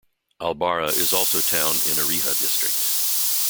Al-Bara is also town in Ariha district.